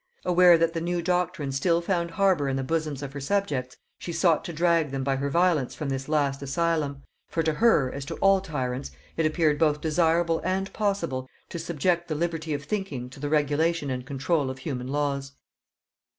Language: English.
Aware that the new doctrines still found harbour in the bosoms of her subjects, she sought to drag them by her violence from this last asylum; for to her, as to all tyrants, it appeared both desirable and possible to subject the liberty of thinking to the regulation and control of human laws.